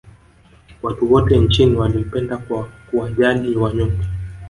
Watu wote nchini walimpenda kwa kuwajali wanyonge